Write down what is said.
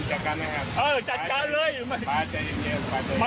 ดูเหตุการณ์ดราม่าที่เกิดขึ้นหน่อยครับ